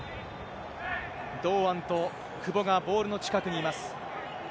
堂安と久保がボールの近くにいます。